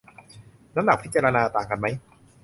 น้ำหนักพิจารณาต่างกันไหม